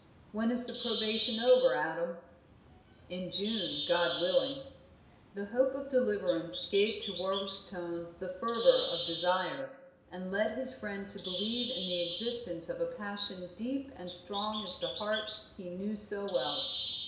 "When is the probation over, Adam?" "In June, God willing." The hope of deliverance gave to Warwick's tone the fervor of desire, and led his friend to believe in the existence of a passion deep and strong as the heart he knew so well.